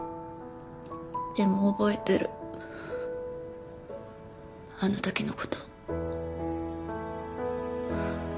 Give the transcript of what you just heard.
でも覚えてるあの時の事。